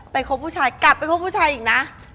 คบผู้ชายกลับไปคบผู้ชายอีกนะ